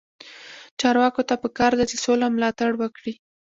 چارواکو ته پکار ده چې، سوله ملاتړ وکړي.